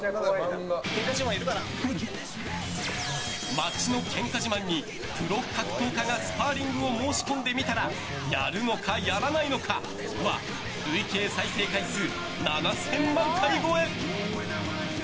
「街の喧嘩自慢にプロ格闘家がスパーリングを申し込んでみたらやるのかやらないのか？」は累計再生回数７０００万回超え！